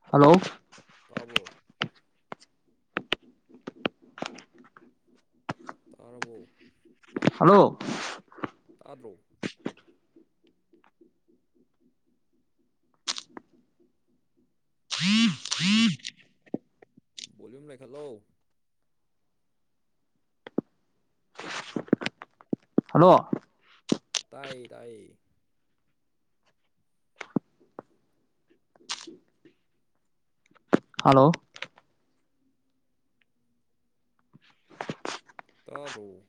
Hello ꯇꯥꯕꯣ ꯇꯥꯔꯕꯣ hello ꯇꯥꯗ꯭ꯔꯣ ꯚꯣꯂꯌꯨꯝ ꯂꯩꯈꯠꯂꯣ ꯍꯜꯂꯣ ꯇꯥꯏꯌꯦ ꯇꯥꯏꯌꯦ ꯍꯜꯂꯣ ꯇꯥꯗ꯭ꯔꯣ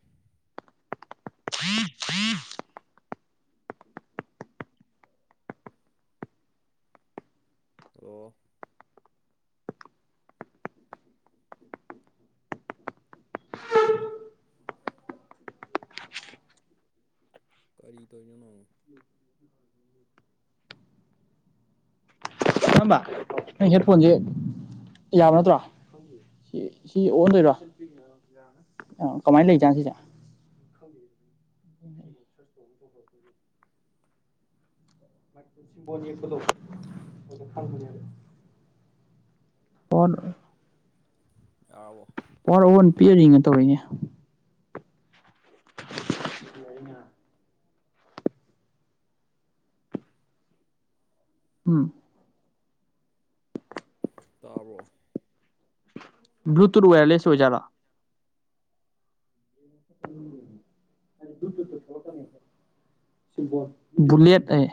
[inaudible] ꯍꯂꯣ ꯀꯔꯤ ꯇꯣꯏꯅꯣ ꯅꯣꯢ ꯏꯌꯥꯝꯕ ꯅꯪ ꯍꯦꯠꯐꯣꯟꯁꯦ ꯌꯥꯕ ꯅꯠꯇ꯭ꯔꯣ ꯁꯤ ꯁꯤ ꯑꯣꯟꯗꯣꯏꯔꯣ ꯑ ꯀꯃꯥꯏꯅ ꯂꯩꯖꯥꯟ ꯁꯤꯁꯦ [unintelligible] [unintelligible] ꯌꯦꯛꯄꯗꯣ [unintelligible] [inaudible] ꯑꯣꯟ ꯌꯥꯕꯣ ꯄꯋꯥꯔ ꯑꯣꯟ ꯄꯤꯔꯔꯤꯅ ꯇꯧꯔꯤꯅꯦ [unintelligible] ꯎꯝ ꯇꯥꯔꯣ ꯭ꯂꯨꯇꯨꯠ ꯋꯥꯋꯔꯂꯁ ꯑꯣꯏꯖꯔꯥ [unintelligible] ꯕꯨꯂꯦꯠ ꯑꯦ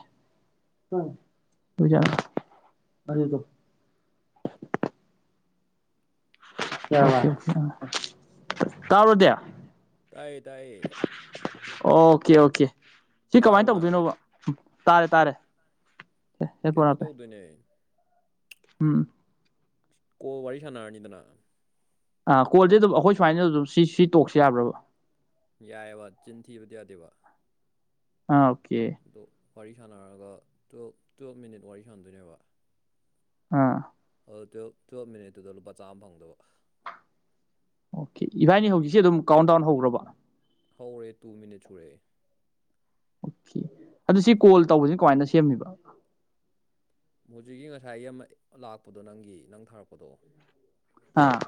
ꯖꯥ ꯇꯥꯔꯣꯗꯌꯥ ꯇꯥꯏꯌꯦ ꯇꯥꯏꯌꯦ ꯑꯣꯀꯦ ꯑꯣꯀꯦ ꯁꯤ ꯀꯃꯥꯏꯅ ꯇꯥꯔꯕꯣ ꯅꯪ ꯇꯧꯗꯣꯏꯅꯣꯕ ꯇꯥꯔꯦ ꯇꯥꯔꯦ ꯍꯦꯠꯐꯣꯟ ꯀꯩꯅꯣ ꯍꯥꯞꯄꯦ ꯇꯧꯗꯣꯏꯅꯦ ꯎꯝ ꯀꯣ ꯋꯥꯔꯤ ꯁꯅꯥꯅꯤꯗꯅ ꯑꯥ ꯀꯣꯜꯁꯦ ꯑꯗꯨꯝ ꯑꯩꯈꯣꯏ ꯁꯨꯃꯥꯏꯅ ꯑꯗꯨꯝ ꯁꯤ ꯁꯤ ꯇꯣꯛꯁꯤ ꯌꯥꯕ꯭ꯔꯕ ꯌꯥꯏꯑꯦꯕ ꯆꯤꯟ ꯊꯤꯕꯗꯤ ꯌꯥꯗꯦꯕ ꯑ ꯑꯣꯀꯦ ꯑꯗꯣ ꯋꯥꯔꯤ ꯁꯥꯟꯅꯔꯒ ꯇꯨꯌꯦꯜꯞ ꯇꯨꯌꯦꯜꯞ ꯃꯤꯅꯤꯠ ꯋꯥꯔꯤ ꯁꯥꯟꯅꯗꯣꯏꯅꯦꯕ ꯑꯥ ꯑꯗꯨꯣ ꯇꯨ ꯇꯨꯌꯦꯜꯞ ꯃꯤꯅꯤꯠꯇꯨꯗ ꯂꯨꯄꯥ ꯆꯥꯝ ꯑꯃ ꯐꯪꯗꯕ ꯑꯣꯀꯦ ꯏꯚꯥꯏꯅꯤ ꯍꯧꯖꯤꯛꯁꯦ ꯑꯗꯨꯝ ꯀꯥꯎꯟ ꯗꯥꯎꯟ ꯍꯧꯈ꯭ꯔꯕ ꯍꯧꯔꯦ ꯇꯨ ꯃꯤꯅꯠ ꯁꯨꯔꯛꯑꯦ ꯀ ꯑꯗꯨ ꯁꯤ ꯀꯣꯜ ꯇꯧꯕꯁꯤ ꯀꯃꯥꯏꯅ ꯁꯦꯝꯃꯤꯕ ꯃꯖꯤꯛꯀꯤ ꯉꯁꯥꯏ ꯑꯃ ꯂꯥꯛꯄꯗꯣ ꯅꯪꯒꯤ ꯅꯪ ꯊꯥꯔꯛꯄꯗꯣ ꯑꯥ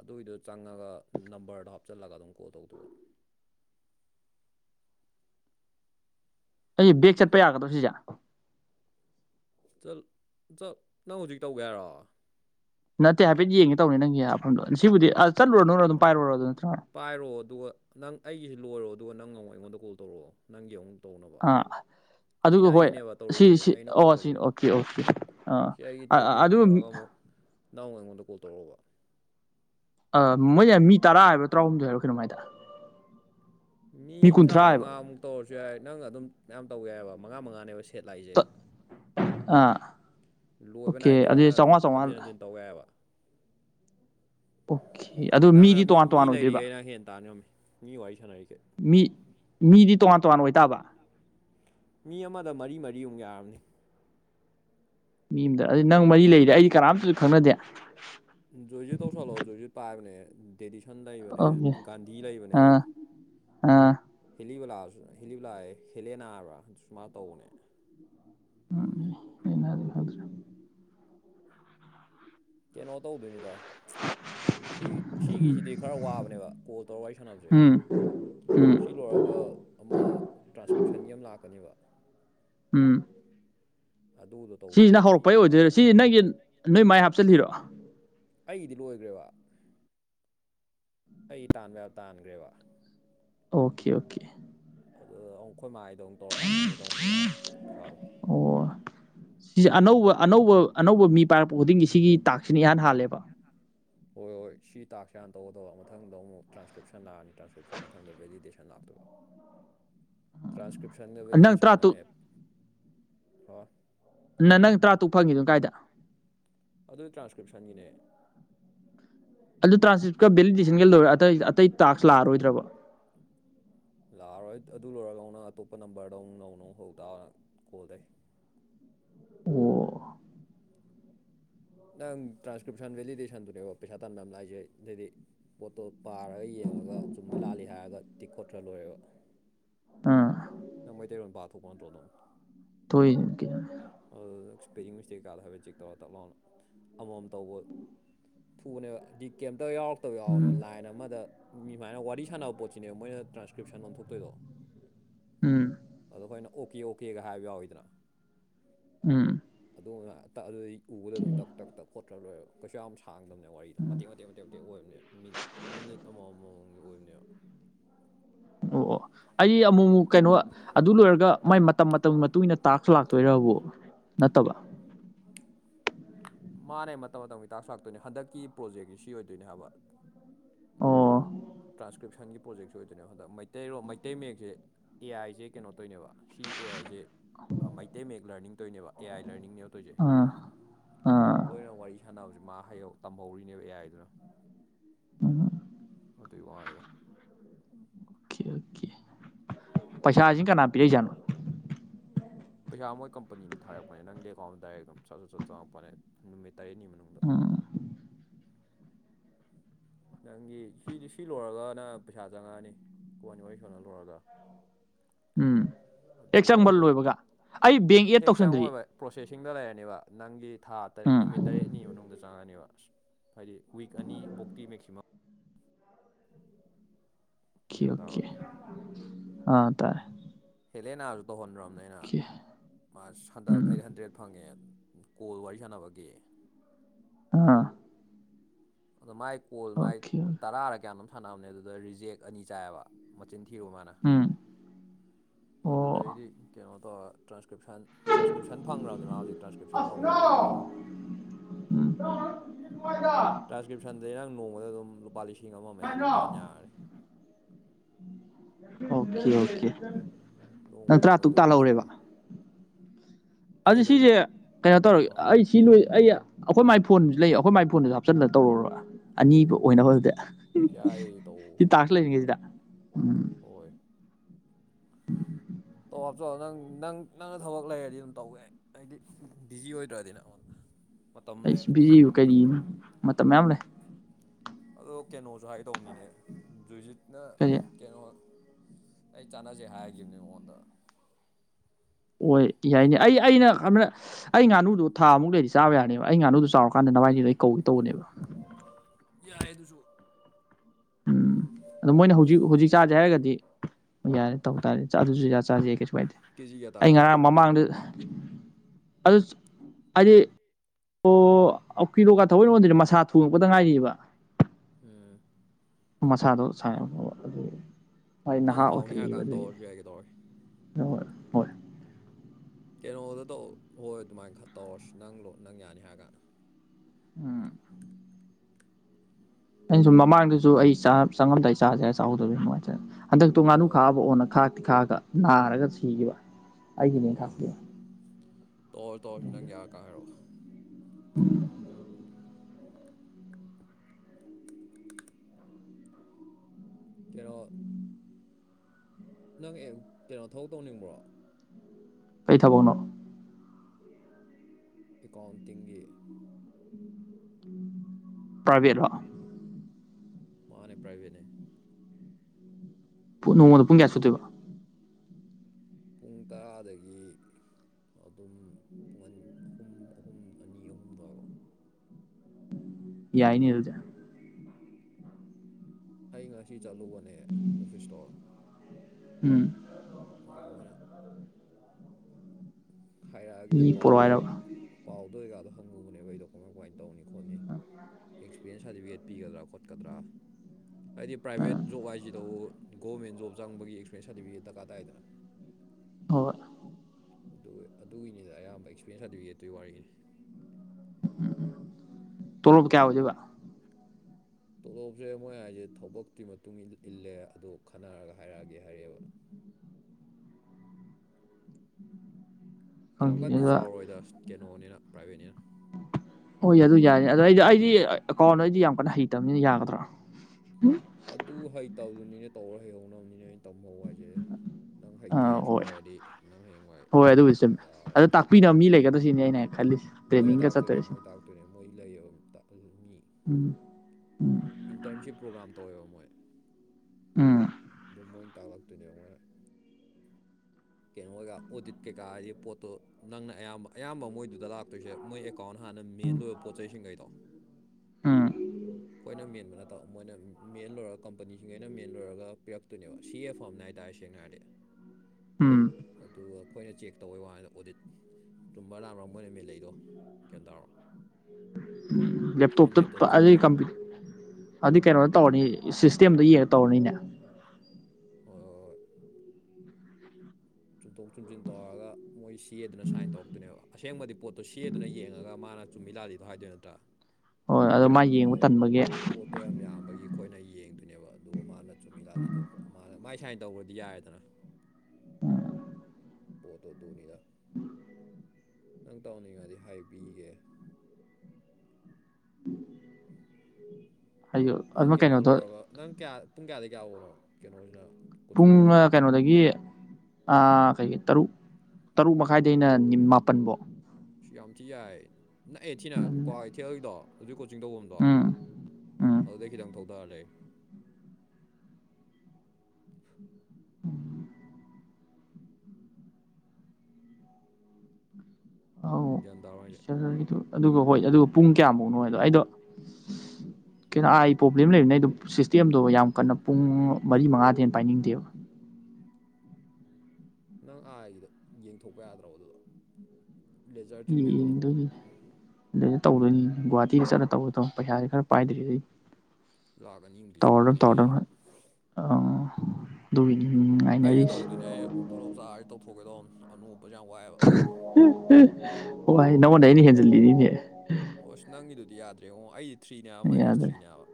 ꯑꯗꯨꯒꯤꯗꯣ ꯆꯪꯉꯒ ꯅꯝꯕꯔꯗꯣ ꯍꯥꯞꯆꯜꯂꯒ ꯑꯗꯨꯝ ꯀꯣꯜ ꯇꯧꯗꯣꯏꯕ ꯑꯩ ꯕꯦꯛ ꯆꯠꯄ ꯌꯥꯒꯗ꯭ꯔꯣ ꯁꯤꯁꯦ ꯅꯪ ꯍꯧꯖꯤꯛ ꯇꯧꯒꯦꯔꯣ ꯅꯠꯇꯦ ꯍꯥꯏꯐꯦꯠ ꯌꯦꯡꯉꯦ ꯇꯧꯅꯦ ꯅꯪꯒꯤ ꯍꯥꯏꯐꯝꯗꯣ ꯁꯤꯕꯨꯗꯤ ꯆꯂꯨꯔꯣ ꯅꯪꯅꯣꯝ ꯄꯥꯏꯔꯨꯔꯣ ꯑꯗꯨ ꯅꯠꯇ꯭ꯔꯣ ꯄꯥꯏꯔꯣ ꯑꯗꯨꯒ ꯅꯪ ꯑꯩꯒꯤꯁꯤ ꯂꯣꯏꯔꯣ ꯑꯗꯨꯒ ꯅꯪ ꯅ ꯑꯩꯉꯣꯟꯗ ꯀꯣꯜ ꯇꯧꯔꯛꯑꯣ ꯅꯪꯒꯤ ꯑꯃꯨꯛ ꯇꯧꯅꯕ ꯑꯥ ꯁꯤꯅ ꯑꯗꯨꯒ ꯍꯣꯏ ꯑꯩꯒꯤꯅꯦꯕ ꯁꯤ ꯇꯧꯔꯛꯏꯁꯦ ꯁꯤ ꯑꯩꯅ ꯀꯣꯜ ꯑꯣ ꯁꯤ ꯇꯧꯔꯤꯁꯦ ꯑꯣꯀꯦ ꯑꯣꯀꯦ ꯑꯥ ꯁꯤ ꯑꯩꯒꯤ ꯇꯨꯌꯦꯞ ꯃꯤꯅꯤꯠ ꯑꯗꯨ ꯂꯣꯏꯔꯒ ꯑꯃꯨꯛ ꯅꯍꯨꯛ ꯑꯩꯉꯣꯟꯗ ꯀꯣꯜ ꯇꯧꯔꯛꯕ ꯑ ꯃꯣꯏꯁꯦ ꯃꯤ ꯇꯔꯥ ꯍꯥꯏꯕꯣ ꯇꯔꯥꯍꯨꯝꯗꯣꯏ ꯍꯥꯏꯔꯣ ꯀꯩꯅꯣꯃ ꯍꯥꯏꯗ ꯃꯤ ꯀꯨꯟꯊ꯭ꯔꯥ ꯍꯥꯏꯕ ꯇꯔꯥꯃꯉꯥꯃꯨꯛ ꯇꯧꯔꯁꯨ ꯌꯥꯏ ꯅꯪ ꯑꯗꯨꯝ ꯃ ꯇꯧ ꯌꯥꯏꯑꯕ ꯃꯉꯥ ꯃꯉꯥꯅꯦꯕ ꯁꯦꯠ ꯂꯥꯛꯏꯁꯦ ꯑꯥ ꯂꯣꯏꯕ ꯑꯣꯀꯦ ꯅꯥꯏꯗꯦꯕ ꯑꯗꯨꯗꯤ ꯅꯪ ꯑꯗꯨꯝ ꯆꯥꯝꯃꯉꯥ ꯍꯟꯖꯤꯟ ꯆꯥꯝꯃꯉꯥ ꯍꯟꯖꯤꯟ ꯇꯧ ꯌꯥꯏꯑꯕ ꯑꯣꯀꯦ ꯑꯗꯨ ꯅꯪꯅ ꯃꯤꯗꯤ ꯃꯤ ꯇꯣꯉꯥꯟ ꯃꯤ ꯇꯣꯉꯥꯟ ꯑꯣꯏꯗꯣꯏꯕ ꯂꯩꯔꯤꯈꯩ ꯅꯪ ꯍꯦꯟꯅ ꯇꯥꯅꯔꯝꯃꯤ ꯃꯤ ꯋꯥꯏ ꯁꯥꯟꯅ ꯑꯩꯀꯦ ꯃꯤ ꯃꯤꯗꯤ ꯇꯣꯉꯥꯟ ꯇꯣꯉꯥꯟ ꯑꯣꯏꯇꯥꯕ ꯃꯤ ꯑꯃꯗ ꯃꯔꯤ ꯃꯔꯤꯃꯨꯛ ꯌꯥꯔꯕꯅꯤ ꯃꯤ ꯑꯗ ꯑꯗꯨ ꯅꯪ ꯃꯔꯤ ꯂꯩꯔꯦ ꯑꯩꯗꯤ ꯀꯅꯥꯝꯇꯁꯨ ꯈꯪꯅꯗꯦ ꯖꯣꯏꯁꯨ ꯇꯧꯁꯜꯂꯣ ꯖꯣꯏꯁꯨ ꯄꯥꯏꯕꯅꯦ ꯗꯦꯗꯤꯁꯟ ꯂꯩꯕꯅꯦ ꯑꯣꯀꯦ ꯒꯥꯟꯙꯤ ꯂꯩꯕꯅꯦ ꯑꯥ ꯑꯥ ꯍꯤꯂꯤꯕꯂꯥꯁꯨ ꯍꯤꯂꯤ ꯂꯥꯑ ꯍꯦꯂꯦ ꯅꯥꯕ꯭ꯔ ꯁꯨꯃꯥꯏꯅ ꯇꯧꯕꯅꯦ ꯎꯝꯅꯔ ꯍꯗ꯭ꯔꯦ ꯀꯩꯅꯣ ꯇꯧꯗꯣꯏꯅꯤꯗ ꯁꯤ ꯁꯤꯒꯤꯁꯤꯗꯤ ꯈꯔ ꯋꯥꯕꯅꯦꯕ ꯀꯣꯜ ꯇꯧꯔꯒ ꯋꯥꯔꯤ ꯁꯥꯟꯅꯕꯁꯦ ꯎꯝ ꯁꯤ ꯂꯣꯏꯔꯒ ꯑꯃ ꯇ꯭ꯔꯥꯟꯁꯀ꯭ꯔꯤꯞꯁꯟꯒꯤ ꯑꯃ ꯂꯥꯛꯀꯅꯦꯕ ꯎꯝ ꯑꯗꯨꯗꯣ ꯇꯧꯗꯣꯏꯕ ꯁꯤꯁꯤꯅ ꯍꯧꯔꯛꯄꯩ ꯑꯣꯏꯗꯣꯏꯔꯥ ꯁꯤꯁꯤ ꯅꯪꯒꯤ ꯅꯣꯏ ꯃꯥꯏ ꯍꯥꯞꯆꯤꯜꯂꯤꯔꯣ ꯑꯩꯒꯤꯗꯤ ꯂꯣꯏꯈ꯭ꯔꯦꯕ ꯑꯩ ꯇꯥꯟꯕ ꯌꯥ ꯇꯥꯟꯈ꯭ꯔꯦꯕ ꯑꯣꯀꯦ ꯑꯣꯀꯦ꯫ ꯑꯗꯨ ꯑꯃꯛ ꯑꯩꯈꯣꯏ ꯃꯥꯏꯗꯣꯨ ꯇꯧꯔꯒ ꯇꯥꯟꯁꯤꯟꯒꯗꯧꯅꯤꯗ ꯄꯩꯁꯥꯗꯣ꯫ ꯑꯣ ꯁꯤꯁꯦ ꯑꯅꯧꯕ ꯑꯅꯧꯕ ꯑꯅꯧꯕ ꯃꯤ ꯄꯥꯏꯔꯛꯄ ꯈꯨꯗꯤꯡꯒꯤ ꯁꯤꯒꯤ ꯇꯥꯛꯁꯤꯅ ꯏꯍꯥꯟ ꯍꯥꯜꯂꯦꯕ꯫ [inaudible] ꯍꯣꯏ ꯍꯣꯏ ꯁꯤ ꯇꯥꯛꯁꯥꯟꯅ ꯇꯧꯒ ꯇꯧ ꯃꯊꯗꯣ ꯑꯃꯨꯛ ꯇ꯭ꯔꯥꯟꯁꯀ꯭ꯞꯁꯟ ꯂꯥꯛꯑꯅꯤ ꯇ꯭ꯔꯥꯟꯁꯀ꯭ꯞꯁꯟ ꯃꯊꯪꯗ ꯚꯦꯂꯤꯗꯦꯁꯟ ꯂꯥꯛꯇꯕ꯫ ꯇ꯭ꯔꯥꯟꯁꯀ꯭ꯔꯤꯞꯁꯟꯗ ꯅꯪ ꯇꯔꯥꯇꯨꯛ ꯕꯦꯔꯤꯗꯤꯦꯁꯟꯒꯅꯦ ꯍ ꯅ ꯅꯪ ꯇꯔꯥ ꯇꯨꯛ ꯐꯪꯉꯤꯗꯅ ꯀꯥꯏꯗ ꯑꯗꯨꯗꯤ ꯇ꯭ꯔꯥꯟꯁꯀ꯭ꯔꯤꯞꯁꯟꯒꯤꯅꯦ꯫ ꯑꯗꯨ ꯇ꯭ꯔꯥꯟꯁꯁꯤꯞꯀ ꯕꯦꯂꯤꯗꯦꯁꯟꯒ ꯂꯣꯏꯔꯦ ꯑꯇꯩ ꯑꯇꯩ ꯇꯥꯛꯁ ꯂꯥꯛꯑꯔꯣꯏꯗ꯭ꯔꯕ ꯂꯥꯛꯑꯔꯣꯏ ꯑꯗꯨ ꯂꯣꯏꯔꯒ ꯑꯃꯨ ꯅꯪ ꯑꯇꯣꯞꯄ ꯅꯝꯕꯔꯗꯣ ꯑꯃꯨꯛ ꯅꯧꯅꯨ ꯍꯧ ꯇꯥ ꯀꯣꯜ ꯗꯩꯩ ꯑꯣ ꯅꯪ ꯇ꯭ꯔꯥꯟꯁꯀ꯭ꯔꯤꯞꯁꯟ ꯚꯦꯂꯤꯗꯦꯁꯟꯗꯨꯅꯦꯕ ꯄꯩꯁꯥ ꯇꯥꯟ ꯑꯃ ꯂꯥꯛꯏꯁꯦ ꯑꯗꯩꯗꯤ ꯄꯣꯠꯇꯣ ꯄꯥꯔꯒ ꯌꯦꯡꯉꯒ ꯆꯨꯝꯕꯩ ꯂꯥꯜꯂꯤ ꯍꯥꯏꯔꯒ ꯇꯤꯛ ꯈꯣꯠꯇ꯭ꯔ ꯂꯣꯏꯔꯦꯕ ꯑꯥ ꯅꯪ ꯃꯩꯇꯩꯔꯣꯟ ꯄꯥꯊꯣꯛꯄ ꯅꯠꯇ꯭ꯔꯣ ꯑꯗꯨꯝ ꯊꯣꯛꯣꯏꯒꯦ ꯑꯗꯨ ꯁ꯭ꯄꯦꯔꯤꯡ ꯃꯤꯁꯇꯦꯛ ꯀꯥꯗꯣ ꯍꯥꯏꯕ ꯆꯦꯛ ꯇꯧꯔ ꯇꯠꯂꯣꯑꯣ ꯑꯃꯃꯝ ꯇꯧꯕ ꯊꯨꯕꯅꯦꯕ ꯗꯤ ꯀꯦꯝꯇ ꯌꯥꯎꯔꯛꯇꯦ ꯇꯧ ꯌꯥꯎꯕꯅꯦꯕ ꯎꯝ ꯂꯥꯏꯟ ꯑꯃꯗ ꯃꯤ ꯁꯨꯃꯥꯏꯅ ꯋꯥꯔꯤ ꯁꯥꯟꯅꯕ ꯄꯣꯠꯁꯤꯅꯦꯕ ꯃꯣꯏꯅ ꯇ꯭ꯔꯥꯟꯁꯀ꯭ꯔꯤꯞꯁꯟ ꯑꯣꯊꯣꯛꯇꯣꯏꯗꯣ ꯎꯝ ꯑꯗꯣ ꯑꯩꯈꯣꯏꯅ ꯑꯣꯀꯦ ꯑꯣꯀꯦꯒ ꯍꯥꯏꯕ ꯌꯥꯎꯋꯤꯗꯅ ꯎꯝ ꯑꯗꯨ ꯇ ꯑꯗꯨ ꯎꯕꯗ ꯑꯗꯨꯝ ꯇꯛ ꯇꯛ ꯇꯛ ꯈꯣꯠꯇ꯭ꯔ ꯂꯣꯏꯔ ꯀꯩꯁꯨ ꯌꯥꯝ ꯁꯦ ꯊꯥꯡꯗꯝꯕꯅꯦ ꯋꯥꯔꯤꯗꯣ ꯃꯇꯦꯛ ꯃꯇꯦꯛ ꯃꯇꯦꯛ ꯃꯇꯦꯛ ꯑꯣꯏꯕꯅꯦ ꯃꯤꯠ ꯃꯤꯅꯤꯠ ꯑꯃꯃꯝꯒꯤ ꯑꯣꯏꯕꯅꯦ꯫ ꯑꯣ ꯑꯣ ꯑꯩ ꯑꯃꯨꯛ ꯑꯃꯨꯛ ꯀꯩꯅꯣ ꯑꯗꯨ ꯂꯣꯏꯔꯒ ꯃꯥꯏ ꯃꯇꯝ ꯃꯇꯝꯒꯤ ꯃꯇꯨꯡ ꯏꯟꯅ ꯇꯥꯛ ꯂꯥꯛꯇꯣꯏꯕꯨ ꯅꯠꯇꯕ ꯃꯥꯅꯦ ꯃꯇꯝ ꯃꯇꯝꯒꯤꯇꯥꯛꯁꯨ ꯂꯥꯛꯇꯣꯏꯅꯦ ꯍꯟꯗꯛꯀꯤ ꯄ꯭ꯔꯣꯖꯦꯁꯤꯤ ꯁꯤ ꯑꯣꯏꯗꯣꯏꯅꯦ ꯍꯥꯏꯕ ꯑꯣ ꯇ꯭ꯔꯥꯟꯁꯀ꯭ꯔꯤꯞꯁꯟꯒꯤ ꯄ꯭ꯔꯣꯖꯦꯛꯁꯨ ꯑꯣꯏꯗꯣꯏꯅꯦꯕ ꯍꯟꯗꯛ ꯃꯩꯇꯩꯔꯣ ꯃꯩꯇꯩ ꯃꯌꯦꯛꯁꯦ꯫ ꯑꯦ ꯑꯥꯏꯁꯦ ꯀꯩꯅꯣ ꯇꯣꯏꯅꯦꯕ ꯁꯤꯒꯤ ꯑꯦ ꯑꯥꯏꯁꯦ ꯃꯩꯇꯩ ꯃꯌꯦꯛ learning ꯇꯣꯏꯅꯦꯕ A I ꯂꯔꯅꯤꯡꯅꯦ꯫ ꯇꯣꯏꯖꯩ ah ah okay ꯍꯣꯏꯅ ꯋꯥꯔꯤ ꯁꯥꯟꯅꯕꯁꯤ ꯃꯥ ꯇꯝꯍꯧꯔꯤꯅꯦꯕ ꯑꯦꯌꯥꯏꯗꯨꯅ꯫ ꯎꯝ ꯑꯗꯨ ꯋꯥꯉꯗꯣ ꯑꯣꯀꯦ ꯑꯣꯀꯦ ꯄꯩꯁꯥꯁꯤꯡ ꯀꯅꯥ ꯄꯤꯔꯛꯏꯖꯥꯠꯅꯣ? ꯄꯩꯁꯥ ꯃꯣꯏ ꯀꯄꯅꯤꯅ ꯊꯥꯔꯛꯄꯅꯦ ꯅꯪꯒꯤ ꯑꯦꯀꯥꯎꯟ ꯗꯥꯏꯔꯦꯛ ꯑꯗꯨꯝ ꯆꯠ ꯆꯠ ꯆꯠ ꯆꯪꯉꯛꯄꯅꯦ ꯅꯨꯃꯤꯠ ꯇꯔꯦꯠꯅꯤ ꯃꯅꯨꯡꯗ ꯎꯝ ꯅꯪꯒꯤ ꯁꯤꯗꯤ ꯁꯤ ꯂꯣꯏꯔꯒ ꯅꯪ ꯄꯩꯁꯥ ꯆꯪꯉꯛꯑꯅꯤ ꯀꯣꯟꯅꯤ ꯋꯥꯔꯤ ꯁꯣꯟꯅ ꯂꯣꯏꯔꯒ ꯎꯝ ꯑꯦꯛ ꯑꯗꯨꯒ ꯆꯪꯕ ꯑꯗꯨꯝ ꯂꯣꯏꯕꯒ ꯑꯩ ꯕꯦꯡ ꯑꯦꯗ ꯍꯦꯛ ꯇꯧꯁꯟꯗ꯭ꯔꯤ꯫ ꯆꯪꯉꯛꯑꯣꯏꯕ ꯄ꯭ꯔꯣꯁꯦꯁꯤꯡꯗ ꯂꯩꯔꯅꯦꯕ ꯅꯪꯒꯤ ꯊꯥ ꯎꯝ ꯅꯨꯃꯤꯠ ꯇꯔꯦꯠꯅꯤ ꯃꯅꯨꯡꯗ ꯆꯪꯉꯅꯦꯕ ꯑꯁ ꯍꯥꯏꯗꯤ ꯋꯤꯛ ꯑꯅꯤꯐꯧꯇꯤ ꯃꯦꯛꯁꯤꯃꯝ ꯑꯣꯀꯦ ꯒ꯭ꯌꯥꯟ ꯇꯥꯔꯣ ꯑꯣꯀꯦ ꯑꯥ ꯇꯥꯥꯏ꯫ ꯍꯦꯂꯦꯅꯥꯁꯨ ꯇꯧꯍꯟꯗ꯭ꯔꯕꯅꯤ ꯑꯅ ꯃꯥꯁ ꯍꯟꯗꯛ ꯎꯝ ꯑꯩꯠ ꯍꯟꯗ꯭ꯔꯦꯗ ꯐꯪꯉꯦ ꯀꯣꯜ ꯋꯥꯔꯤ ꯁꯥꯟꯅꯕꯒꯤ꯫ ꯑꯥ ꯑꯗꯣ ꯃꯥꯏ ꯀꯣꯜ ꯃꯥꯏ ꯑꯣꯀꯦ ꯇꯔꯥꯔ ꯀꯌꯥꯅꯣ ꯁꯥꯟꯅꯕꯅꯦ ꯑꯗꯨꯗ ꯔꯤꯖꯦꯛ ꯑꯅꯤ ꯆꯥꯏꯑꯕ ꯃꯆꯤꯟ ꯊꯤꯔꯨ ꯃꯥꯅ ꯍꯥꯝ ꯑꯗꯨꯗꯩꯗꯤ ꯀꯩꯅꯣ ꯇꯧꯔ ꯇ꯭ꯔꯥꯟꯁꯀ꯭ꯔꯤꯞꯁꯟ ꯇ꯭ꯔꯥꯟꯁꯀ꯭ꯞꯁꯟ ꯐꯪꯈ꯭ꯔꯕ ꯃꯥ ꯍꯧꯖꯤꯛ ꯇ꯭ꯔꯥꯟꯀ꯭ꯔꯤꯁꯟ ꯇꯍꯧꯈ꯭ꯔꯕꯅꯤ ꯃꯥ [inaudible] ꯇ꯭ꯔꯥꯟꯁꯀ꯭ꯔꯤꯁꯟꯗ ꯅꯪ ꯅꯣꯡꯃꯗ ꯑꯗꯨꯝ ꯂꯨꯄꯥ ꯂꯤꯁꯤꯡ ꯑꯃ ꯃꯌꯥ ꯑꯗꯨꯝ ꯇꯥꯟ ꯌꯥꯔꯅꯤ ꯑꯣꯀꯦ ꯑꯣꯀꯦ ꯅꯣꯡꯃ ꯅꯪ ꯇꯔꯥ ꯅꯣꯡꯃꯩ ꯇꯨꯛ ꯑꯗꯨꯝ ꯂꯤꯁꯤꯡ ꯇꯥꯜꯍꯧꯔꯦꯕ ꯑꯃ ꯑꯗꯨ ꯑꯩ ꯑꯗꯨꯝ ꯁꯤꯁꯦ ꯀꯩꯅꯣ ꯇꯧꯔꯒꯦ ꯍ ꯑꯩꯁ ꯁꯤ ꯂꯣꯏ ꯑꯩ ꯑꯩꯈꯣꯏ ꯃꯥꯏ ꯐꯣꯟꯁꯨ ꯂꯩ ꯑꯩꯈꯣꯏ ꯃꯥꯏ ꯐꯣꯟꯗꯨꯁꯨ ꯍꯥꯞꯆꯜꯂ ꯇꯧꯔꯨꯔꯒ ꯑꯅꯤꯕ ꯑꯣꯏꯅꯕ ꯑꯗꯨꯦ ꯌꯥꯏ ꯇꯧ ꯁꯤ ꯇꯥꯛꯁꯨ ꯂꯩꯔꯤꯉꯩ ꯁꯤꯗ ꯎꯝ ꯍꯣꯏ ꯇꯧ ꯍꯥꯞꯆꯧ ꯅꯪ ꯅꯪ ꯅꯪꯅ ꯊꯕꯛ ꯂꯩꯔꯗꯤ ꯑꯗꯨꯝ ꯇꯧꯒꯦꯏ ꯍꯥꯏꯗꯤ ꯕꯤꯖꯤ ꯑꯣꯏꯗ꯭ꯔꯗꯤꯅ ꯑꯩꯉꯣꯟꯗ ꯑꯩꯁ ꯕꯤꯖꯤ ꯀꯔꯤ ꯃꯇꯝ ꯃꯌꯥꯝ ꯂꯩ ꯑꯗꯣ ꯀꯩꯅꯣꯁꯨ ꯍꯥꯏꯗꯧꯕꯅꯤꯅꯦ ꯖꯣꯏꯖꯤꯠꯅ ꯀꯔꯤ ꯀꯩꯅꯣ ꯑꯩ ꯆꯥꯟꯅꯖꯩ ꯍꯥꯏꯈꯤꯕꯅꯤ ꯑꯩꯉꯣꯟꯗ ꯑꯣꯏ ꯌꯥꯏꯅꯤ ꯑꯩ ꯑꯩꯅ ꯑꯃꯅ ꯑꯩ ꯉꯥꯅꯨꯗꯣ ꯊꯥꯃꯨꯛ ꯂꯩꯗꯤ ꯆꯥꯕ ꯌꯥꯅꯦꯕ ꯑꯩ ꯉꯥꯅꯨꯗꯨꯣ ꯆꯥꯎꯔꯀꯥꯟꯗ ꯅꯚꯏꯁꯤꯗꯣ ꯑꯩ ꯀꯧꯦ ꯇꯧꯕꯅꯦꯕ ꯌꯥꯏ ꯑꯗꯨꯁꯨ ꯎꯝ ꯑꯗ ꯃꯣꯏꯅ ꯍꯧꯖꯤꯛ ꯍꯧꯖꯤꯛ ꯆꯥꯥꯁꯦ ꯍꯥꯏꯔꯒꯗꯤ ꯌꯥꯔꯦ ꯇꯧ ꯇꯥꯔꯦ ꯑꯗꯨꯁꯨ ꯆꯥꯁꯤꯦ ꯀꯩꯁꯨ ꯀꯥꯏꯗꯦ ꯀꯦꯖꯤ ꯀꯌꯥ ꯑꯩ ꯇꯥꯔꯒꯦ ꯉꯔꯥꯡ ꯃꯃꯥꯡꯗ ꯑꯗ ꯑꯗꯦ [inaudible] ꯑꯣ ꯑ ꯀꯤꯔꯣꯀꯥ ꯊꯑꯣꯏꯔꯣꯟꯗ꯭ꯔꯅꯦ ꯃꯁꯥ ꯊꯣꯡꯉꯛꯄꯗ ꯉꯥꯏꯔꯤꯑꯕ ꯎꯝ ꯃꯁꯥꯗꯣ ꯁꯥꯏꯝꯕ ꯑꯗꯨꯒꯤ ꯃꯥꯏ ꯅꯍꯥ ꯅꯪ ꯍꯥꯎꯅꯤ ꯍꯥꯏꯔ ꯑꯣꯏꯈꯠꯂꯤꯕ ꯀꯥꯟꯗ ꯑꯗꯨꯏ ꯇꯧꯔꯁꯨ ꯌꯥꯏ ꯀꯩꯗꯧꯔꯒꯦ ꯔ [inaudible] ꯀꯩꯅꯣꯗ ꯇꯧ ꯍꯣꯏ ꯑꯗꯨꯃꯥꯏꯅ ꯈꯔ ꯇꯧꯔꯁꯤ ꯅꯪꯂꯣ ꯅꯪ ꯌꯥꯅꯤ ꯍꯥꯏ ꯀꯥꯟꯗ ꯎꯝ ꯑꯩꯅꯁꯨ ꯃꯃꯥꯡꯗꯁꯨ ꯑꯩ ꯆꯪꯉꯝꯗꯥꯏ ꯆꯥꯁꯦ ꯍꯥꯏꯔ ꯆꯥꯍꯧꯗꯕ ꯅꯨꯡꯉꯥꯏꯇꯔꯦ ꯍꯟꯗꯛꯇꯣ ꯉꯥꯅꯨ ꯍꯣꯏ ꯈꯥꯕ ꯑꯣꯅ ꯈꯥꯛ ꯇꯤꯈꯥꯛꯒ ꯅꯥꯔꯒ ꯁꯤꯈꯤꯕ ꯑꯩꯒꯤꯅꯦ ꯈꯥꯛꯄꯤ ꯇꯧꯔꫭ ꯇꯧꯔꫭ ꯅꯪ ꯌꯥꯔꯀꯟ ꯍꯥꯏꯔꯛꯑꯣ ꯀꯩꯅꯣ ꯅꯪ ꯑꯦ ꯀꯩꯅꯣ ꯊꯧꯛ ꯇꯧꯅꯤꯡꯕ꯭ꯔꯣ ꯀꯩ ꯊꯕꯛꯅꯣ ꯑꯦꯀꯥꯎꯟꯇꯤꯡꯒꯤ ꯄ꯭ꯔꯥꯢꯕꯦꯠꯂꯣ ꯃꯥꯅꯦ ꯄ꯭ꯔꯥꯏꯚꯦꯠꯅꯦ ꯅꯣꯡꯉꯣꯟꯗ ꯄꯨꯡ ꯀꯌꯥ ꯆꯠꯇꯣꯏꯕ ꯄꯨꯡ ꯇꯔꯥꯗꯒꯤ ꯑꯗꯨꯝ ꯄꯨꯡꯟ ꯑꯍꯨꯝ ꯑꯍꯨꯝ ꯑꯅꯤ ꯑꯍꯨꯝꯗꯣ ꯍꯥꯏꯕ ꯌꯥꯏꯅꯤ ꯑꯗꯨꯗꯤ ꯑꯩ ꯉꯁꯤ ꯆꯠꯂꯨꯕꯅꯦ ꯑꯣꯐꯤꯁꯇꯣ ꯎꯝ ꯃꯣꯏꯅ ꯍꯥꯏꯔꯛꯑꯒꯦ ꯃꯤ ꯄꯣꯔꯛꯑꯣ ꯄꯥꯎꯗꯣ ꯍꯥꯏꯔꯕ ꯄꯥꯎꯗꯣ ꯑꯣꯏꯒꯥꯗꯣ ꯍꯪꯉꯨꯕꯅꯦꯕ ꯑꯩꯗꯣ ꯀꯃꯥꯏ ꯀꯃꯥꯏꯅ ꯇꯧꯅꯤ ꯈꯣꯠꯅꯤ ꯑꯦꯛꯁꯄꯤꯔꯤꯦꯟꯁ ꯁꯥꯔꯇꯤꯀꯦꯠ ꯄꯒꯗ꯭ꯔꯥ ꯈꯣꯠꯀ꯭ꯔꯥ ꯍꯥꯏꯗꯤ ꯄ꯭ꯔꯥꯏꯕꯦꯠ ꯎꯝ ꯖꯣꯕ ꯍꯥꯏꯗꯕꯨ ꯒꯣꯔꯃꯦꯟ ꯖꯣꯕ ꯆꯪꯕꯒꯤ ꯑꯦꯛꯁꯄꯤꯔꯦꯟꯁ ꯁꯥꯔꯇꯐꯀꯦꯠ ꯗꯔꯀꯥꯔ ꯇꯥꯏꯗꯅ ꯍꯣꯏ ꯑꯗꯨ ꯑꯗꯨꯒꯤꯅꯤꯗ ꯑꯌꯥꯝꯕ ꯑꯦꯛꯁꯄꯤꯔꯌꯦꯟꯁ ꯁꯥꯔꯇꯤꯐꯤꯀꯦꯠꯇꯨꯒꯤ ꯋꯥꯔꯤꯅꯤ ꯎꯝ ꯎꯝ ꯎꯝ ꯇꯣꯂꯣꯞ ꯀꯌꯥ ꯑꯣꯏꯗ‌ꯣꯏꯕ ꯇꯣꯂꯣꯞꯖ‌ꯦ ꯃꯣꯏ ꯍꯥꯏꯖ‌ꯦ ꯊꯕꯛꯇꯨꯏ ꯃꯇꯨꯡ ꯏ ꯏꯜꯂꯦ ꯑꯗꯣ ꯈꯟꯅꯔꯒ ꯍꯥꯏꯔꯛꯑꯒꯦ ꯍꯥꯏꯔꯛꯑꯦꯕ ꯌꯥꯝ ꯈꯪꯗꯦ ꯀꯟꯅꯗꯤ ꯑꯗꯨꯗ ꯆꯥꯎꯔꯣꯏꯗ ꯀꯩꯅꯣꯅꯤꯅ ꯄ꯭ꯔꯥꯏꯚꯦꯠꯅꯤꯅ ꯍꯣꯏ ꯑꯗꯨ ꯌꯥꯏꯅꯤ ꯑꯗꯣ ꯑꯩꯗꯤ ꯑꯩꯗꯤ ꯑꯦꯀꯥꯎꯟꯗꯣ ꯑꯩꯗꯤ ꯌꯥꯝ ꯀꯟꯅ ꯍꯩꯇꯕꯅꯤꯅ ꯌꯥꯒꯗ꯭ꯔ‌ꯣ ꯑꯗꯨ ꯍꯩꯇꯗꯨꯅꯤꯅꯦ ꯇꯧꯔ ꯍꯩꯍꯧꯅꯕꯅꯤꯅꯦ ꯑꯩꯅ ꯇꯝꯍꯧ ꯍꯥꯏꯁꯦ ꯅꯪ ꯑꯥ ꯍꯩꯇꯦꯅ ꯁꯨꯝ ꯍꯣꯏ ꯂꯩꯔꯗꯤ ꯅꯪ ꯍꯌꯦꯡ ꯋꯥꯥꯏ ꯍꯣꯏ ꯑꯗꯨꯕꯨꯗꯤ ꯆꯨꯝꯃꯦ ꯑꯗ ꯌꯥꯔꯔ‌ꯣꯏꯗꯩꯅ‌ꯦ ꯇꯥꯛꯄꯤꯅꯕ ꯃꯤ ꯂꯩꯒꯗ꯭ꯔꯥ ꯁꯤꯅꯤ ꯑꯩꯅ ꯍꯦꯛ ꯈꯜꯂꯤꯁꯦ [inaudible] ꯃꯣꯏꯅ ꯇ꯭ꯔꯦꯅꯤꯡꯒ ꯇꯥꯛꯇꯣꯏꯅꯦ ꯆꯠꯇꯣꯏꯔꯤꯁꯦ ꯃꯣꯏ ꯇꯥꯛꯇꯣꯏꯅꯦ ꯃꯣꯏ ꯂꯩꯌ‌ꯦꯕ [unintelligible] ꯃꯤ ꯎꯝ ꯎꯝ ꯏꯟꯇꯔꯟꯁꯤꯞ ꯄ꯭ꯔꯣꯒꯥꯝ ꯇꯧꯋꯦꯕ ꯃꯣꯏ ꯎꯝ ꯑꯗ‌ꯣ ꯃꯣꯏꯅ ꯇꯥꯛꯂꯛꯇꯣꯏꯅꯦ ꯃꯣꯏꯅ ꯀꯩꯅꯣ ꯑꯣꯏꯒ ꯑꯣꯗꯤꯠ ꯀꯩꯀꯥ ꯍꯥꯏꯗꯤ ꯄꯣꯠꯇꯣ ꯅꯪꯅ ꯑꯌꯥꯝꯕ ꯑꯌꯥꯝꯕ ꯃꯣꯏꯗꯨꯗ ꯂꯥꯛꯇꯣꯏꯖ‌ꯦ ꯃꯣꯏ ꯀꯥꯎꯟ ꯍꯥꯟꯅ ꯃꯦꯟ ꯂꯣꯏꯕ ꯄꯣꯠ ꯆꯩꯁꯤꯡꯒꯩꯗꯣ ꯎꯝ ꯑꯩꯈꯣꯏꯅ ꯃꯦꯟꯕ ꯅꯠꯇꯕ ꯃꯣꯏꯅ ꯃꯦꯟ ꯂꯣꯏꯔꯒ ꯀꯝꯄꯅꯤꯁꯤꯡꯉꯩꯅꯅ ꯃꯦꯟ ꯂꯣꯏꯔꯒ ꯄꯤꯔꯛꯇꯣꯏꯅꯦꯕ ꯁꯤ ꯑꯦꯐ ꯐꯝꯅ‌ꯦ ꯍꯥꯏꯇꯥꯔꯦ ꯁꯦꯡꯅ ꯍꯥꯏꯔꯗꯤ ꯎꯝ ꯑꯗꯨ ꯑꯩꯈꯣꯏꯅ ꯆꯦꯛ ꯇꯧꯋꯦ ꯋꯥ ꯍꯥꯏꯗ ꯑꯣꯗꯤꯠ ꯆꯨꯝꯕ꯭ꯔ ꯂꯥꯟꯕ꯭ꯔ ꯃꯣꯏꯅ ꯃ‌ꯦꯟꯂꯛꯏꯗꯣ ꯒ꯭ꯌꯥꯟ ꯇꯥꯔꯕ ꯂꯦꯞꯇꯣꯞꯇ ꯐꯣꯔꯃꯦꯠꯇꯣ ꯑꯗꯨ ꯆꯨꯝꯕ꯭ꯔꯥ ꯀꯝꯄꯤ ꯍꯣꯏ ꯑꯗꯤ ꯀꯩꯅꯣ ꯇꯧꯔꯅꯤ ꯁꯤꯁꯇꯦꯝꯗꯣ ꯌꯦꯡꯉ ꯇꯧꯔꯅꯤꯅꯦ ꯍ‌‌ꯣꯏ ꯍ‌ꯣꯏ ꯍ‌ꯣꯏ ꯆꯨꯝꯊꯣꯛ ꯆꯨꯝꯁꯤꯟ ꯇꯧꯔꯒ ꯃꯣꯏ ꯁꯤꯑꯦꯗꯨꯅ ꯁꯥꯏꯟ ꯇꯧꯔꯛꯇꯣꯏꯅꯦꯕ ꯑꯁꯦꯡꯕꯗꯤ ꯄꯣꯠꯇꯣ ꯁꯤꯑꯦꯗꯨꯅ ꯌꯦꯡꯉꯒ ꯃꯥꯅ ꯆꯨꯝꯃꯤ ꯂꯥꯜꯂꯤꯗꯣ ꯍꯥꯏꯗꯣꯏ ꯅꯠꯇ꯭ꯔꯥ ꯍꯣꯏ ꯑꯗꯣ ꯃꯥ ꯌꯦꯡꯕ ꯑꯗꯨꯒ ꯇꯟꯕꯒꯤ ꯄꯣꯠꯇꯣ ꯌꯥꯝ ꯌꯥꯝꯕꯒꯤ ꯑꯩꯈꯣꯏꯅ ꯌꯦꯡꯗꯣꯏꯅꯦꯕ ꯑꯗꯨꯒ ꯃꯥꯅ ꯆꯨꯝꯃꯤ ꯂꯥꯜꯂꯤꯗꯣ ꯃꯥꯅ ꯃꯥꯏ ꯁꯥꯏꯟ ꯇꯧꯈ꯭ꯔꯗꯤ ꯌꯥꯔꯦꯗꯅ ꯄꯣꯠꯇꯣ ꯗꯨꯅꯤꯗ ꯅꯪ ꯇꯧꯅꯤꯡꯉꯗꯤ ꯍꯥꯏꯕꯤꯒꯦ ꯑꯩꯁꯨ ꯅꯪ ꯑꯗꯨꯃ ꯀꯩꯅꯣ ꯀꯩꯅꯣꯗꯣ ꯂꯣꯏꯔꯒ ꯅꯪ ꯀꯌꯥ ꯄꯨꯡ ꯀꯌꯥꯗꯩ ꯀꯌꯥ ꯕꯧꯅꯣ ꯀꯩꯅꯣꯁꯤꯅ ꯀꯣꯆꯤꯡꯗꯨꯅ ꯄꯨꯡꯔ ꯀꯩꯅꯣꯗꯒꯤ ꯑ ꯀꯩ ꯇꯔꯨꯛ ꯇꯔꯨꯛ ꯃꯈꯥꯏꯗꯩꯅ ꯅꯤ ꯃꯥꯄꯟꯕꯧ ꯌꯥꯝ ꯊꯤ ꯌꯥꯏ ꯅꯛꯑꯦ ꯊꯤꯅ ꯀ꯭ꯋꯥ ꯎꯝ ꯀꯩꯊꯦꯜꯒꯤꯗꯣ ꯍꯧꯖꯤꯛ ꯀ‌ꯣ ꯆꯤꯡ ꯇꯧꯕꯝꯗꯣ ꯎꯝ ꯑꯗꯨꯗꯩ ꯈꯤꯇꯪ ꯊꯧꯗꯔꯥ ꯂꯩ [unintelligible] ꯑꯥꯎ ꯒ꯭ꯌꯥꯟ ꯇꯥꯔꯣ ꯍꯥꯏꯁꯦ ꯁ‌ꯦꯂꯔꯤꯗꯨ [unintelligible] ꯑꯗꯨꯒ ꯍꯣꯏ ꯑꯗꯨꯒ ꯄꯨꯡ ꯀꯌꯥꯃꯨꯛꯅꯣ ꯍꯥꯏꯗꯣ ꯑꯩꯗꯣ ꯀꯩꯅꯣ ꯑꯥꯏ ꯄ꯭ꯔꯣꯕ꯭ꯂꯦꯝ ꯂꯩꯕꯅꯤꯅ ꯑꯩꯗ‌ꯣ ꯁꯤꯁꯇꯦꯝꯗꯣ ꯌꯥꯝ ꯀꯟꯅ ꯄꯨꯡ ꯃꯔꯤ ꯃꯉꯥꯗꯩ ꯍꯦꯟꯅ ꯄꯥꯏꯅꯤꯡꯗꯦꯕ ꯅꯪ ꯑꯥꯏꯒꯤꯗꯣ ꯌꯦꯡꯊꯣꯛꯄ ꯌꯥꯗ꯭ꯔꯕ‌ꯣ ꯑꯗꯨꯗ‌ꯣ ꯂꯦꯖꯔ ꯇ꯭ꯔꯤꯠꯃꯦꯟ ꯇꯧꯊꯣꯛꯑ‌ꯣꯗ ꯌꯦꯡꯗꯣꯏꯅꯤ [unintelligible] ꯇꯧꯗꯣꯏꯅꯤ ꯒꯨꯍꯥꯇꯤꯗ ꯆꯠꯂ ꯇꯧꯒ‌ꯦ ꯇꯧꯕꯅ ꯄꯩꯁꯥꯁꯦ ꯈꯔ ꯄꯥꯏꯗ꯭ꯔꯤ ꯑꯩ ꯂꯥꯛ ꯑꯅꯤꯃꯨꯛꯇꯤ ꯆꯪꯕꯅꯦꯍ‌ꯦ ꯑ ꯑꯗꯨꯒꯤ ꯅ‍ꯦ ꯉꯥꯏꯅꯔꯤꯁ‌ [unintelligible] ꯇꯣꯂꯣꯞ ꯆꯥꯔ ꯇꯧꯊꯣꯛꯀ‌ꯦ ꯇꯧꯅ‌ꯦ ꯑꯅ‌‌ꯣꯞ ꯎꯞꯄꯁ‌ꯦ ꯌꯥꯝ ꯋꯥꯏꯑ‌ꯦꯕ ꯋꯥꯏ ꯅꯪꯉꯣꯟꯗꯩ ꯑꯩꯅ ꯍꯦꯟꯖꯤꯜꯂꯤꯅꯤꯅꯦ ꯑꯣ ꯑꯁ ꯅꯪꯒꯤꯗꯨꯗꯤ ꯌꯥꯗ꯭ꯔꯦꯉ‌ꯣ ꯑꯩꯗꯤ ꯊ꯭ꯔꯤꯅꯦꯕ ꯃꯥꯏꯅꯁ ꯌꯥꯗ꯭ꯔꯦ ꯊ꯭ꯔꯤꯅꯦꯕ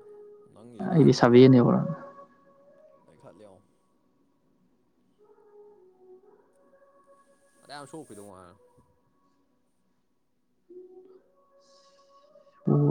ꯅꯪꯒꯤꯗꯨꯗꯤ ꯀꯥꯏꯗꯩ [unintelligible] ꯂꯩꯈꯠꯂ‌ꯦꯑꯣ ꯐꯅꯌꯥꯝ ꯁꯣꯛꯈꯤꯗꯣ [unintelligible] ꯍ‌ꯣꯏ